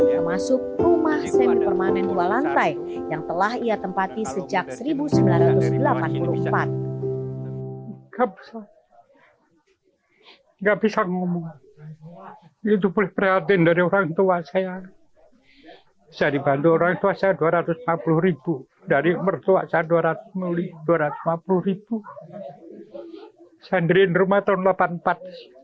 termasuk rumah semi permanen dua lantai yang telah ia tempati sejak seribu sembilan ratus delapan puluh empat